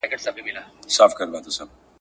په قلم خط لیکل د جهل پر وړاندي مبارزه ده.